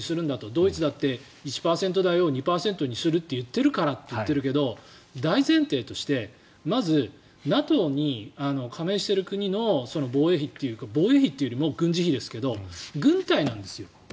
ドイツだって１％台を２％にすると言っているからと言っているけれど大前提としてまず、ＮＡＴＯに加盟している国の防衛費防衛費というより軍事費ですが軍隊なんですよ。